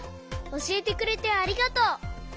おしえてくれてありがとう！